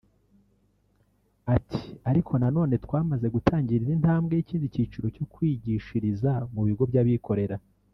Ati “ariko nanone twamaze gutangira indi ntambwe y’ikindi cyiciro cyo kwigishiriza mu bigo by’abikorera